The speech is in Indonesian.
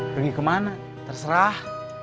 pergi kemana terserah